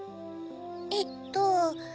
えっと